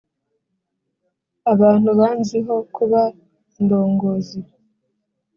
abantu banziho kuba indongozi